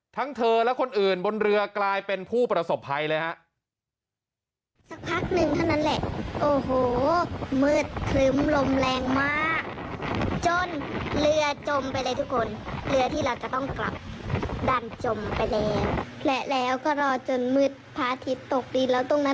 ทั้งเธอและคนอื่นบนเรือกลายเป็นผู้ประสบภัยเลยฮะ